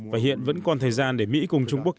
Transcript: và hiện vẫn còn thời gian để mỹ cùng trung quốc